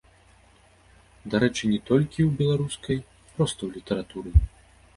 Дарэчы, не толькі ў беларускай, проста ў літаратуры.